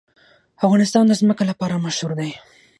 افغانستان د ځمکه لپاره مشهور دی.